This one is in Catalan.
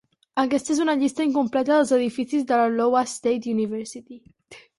Aquesta és una llista incompleta dels edificis de la Iowa State University.